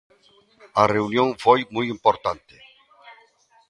A reunión foi moi importante.